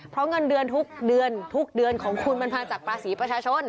เพราะเงินเดือนทุกเดือนทุกเดือนของคุณมันมาจากภาษีประชาชน